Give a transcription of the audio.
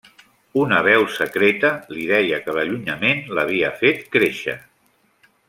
Una veu secreta li deia que l'allunyament l'havia fet créixer.